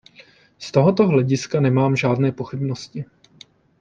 Z tohoto hlediska nemám žádné pochybnosti.